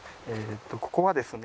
「ここはですね」